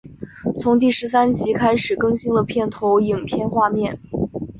从第十三集开始更新了片头影片画面。